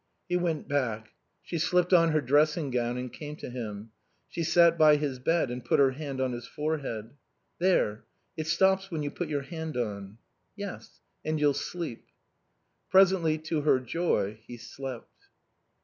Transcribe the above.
He went back. She slipped on her dressing gown and came to him. She sat by his bed and put her hand on his forehead. "There it stops when you put your hand on." "Yes. And you'll sleep." Presently, to her joy, he slept.